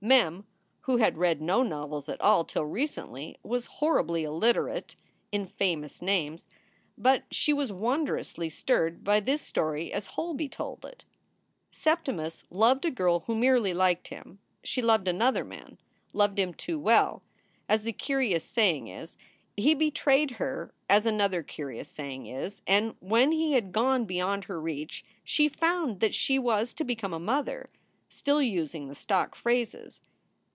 Mem, who had read no novels at all till recently, was horribly illiter ate in famous names. But she was wondrously stirred by this story as Holby told it: Septimus loved a girl who merely liked him. She loved another man loved him "too well," as the curious saying is. He "betrayed" her, as another curious saying is, and when he had gone beyond her reach she found that she was to become a mother still using the stock phrases.